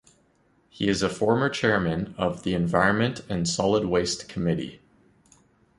He is a former Chairman of the Environment and Solid Waste Committee.